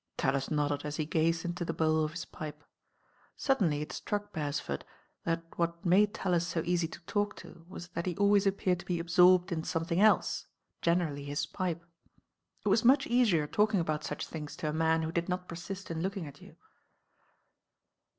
TaUis nodded as he gazed into the bowl of his pipe. Suddenly it struck Beresford that what made TaUis so easy to talk to was that he always appeared to be absorbed in something else, generally his pipe. It was much easier talking about such things to a man who did not persist in looking at you.